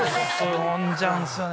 飲んじゃうんすよね。